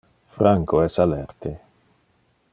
Franco es alerte.